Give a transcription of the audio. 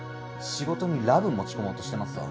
仕事にラブ持ち込もうとしてますわ。